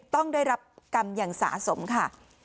ต้องได้รับกรรมอย่างสะสมค่ะ